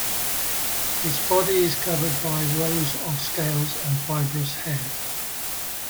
Its body is covered by rows of scales and fibrous hair.